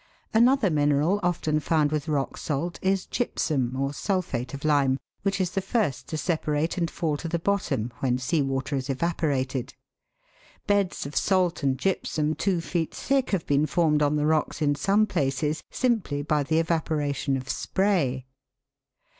Another mineral often found with rock salt is gypsum, or sulphate of lime, which is the first to separate and fall to the bottom when sea water is evaporated. Beds of salt and gypsum two feet thick have been formed on the rocks in some places simply by the evaporation of spray.